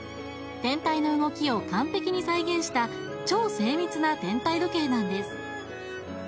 天体の動きを完璧に再現した超精密な天体時計なんです